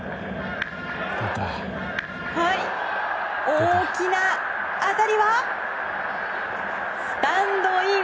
大きな当たりはスタンドイン！